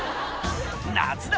「夏だ！